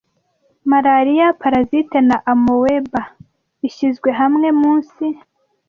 Malariya parasite na Amoeba bishyizwe hamwe munsi